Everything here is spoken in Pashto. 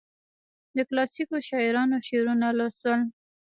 د کلاسیکو شاعرانو شعرونه لوستل.